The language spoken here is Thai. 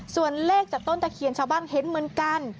ส่วนเลขจากต้นตะเคียนชาวบ้านเห็นเหมือนกัน